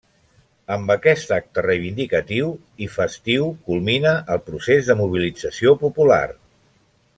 Amb aquest acte reivindicatiu i festiu culmina el procés de mobilització popular.